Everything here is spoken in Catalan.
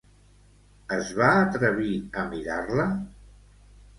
Es va atrevir a mirar-la?